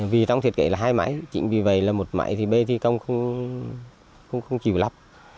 vì trong thiết kế là hai máy chính vì vậy là một máy thì bê thi công cũng không chịu lắp